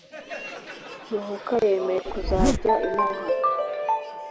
ruhuka yemeye kuzajya imuha